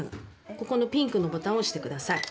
ここのピンクのボタンを押して下さい。